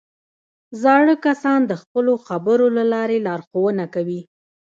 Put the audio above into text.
زاړه کسان د خپلو خبرو له لارې لارښوونه کوي